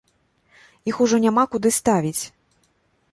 Іх ужо няма куды ставіць.